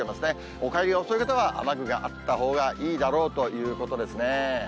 お帰りが遅い方は、雨具があったほうがいいだろうということですね。